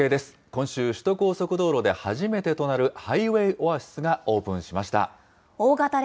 今週、首都高速道路で初めてとなるハイウェイオアシスがオープンしました。